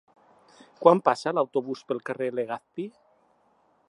Quan passa l'autobús pel carrer Legazpi?